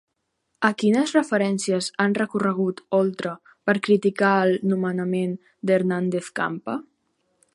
A quines referències ha recorregut Oltra per criticar el nomenament d'Hernández Campa?